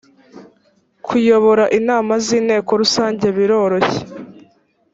kuyobora inama z’inteko rusange birororshye